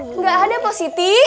nggak ada po siti